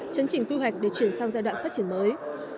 chấn chỉnh quy hoạch để chuyển sang giai đoạn phát triển mới